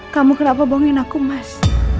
kamu kenapa bohongin aku mas